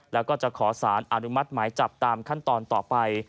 แล้วก็จะขอสารอนุมัติหมายจับตามขั้นตอนต่อไป